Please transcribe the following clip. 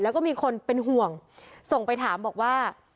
แล้วก็มีคนเป็นห่วงส่งไปถามบอกว่า